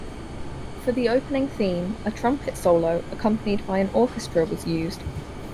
For the opening theme, a trumpet solo accompanied by an orchestra was used.